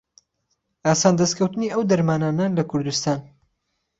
ئاسان دهستکهوتنی ئهو دهرمانانه له کوردستان